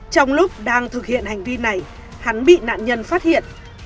trong lúc đang thực hiện hành vi này hắn bị nạn nhân phát hiện